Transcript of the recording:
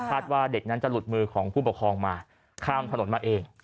ว่าเด็กนั้นจะหลุดมือของผู้ปกครองมาข้ามถนนมาเอง